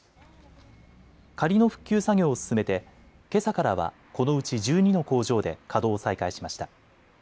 仮の復旧作業を進めてけさからはこのうち１２の工場で稼働を再開しました。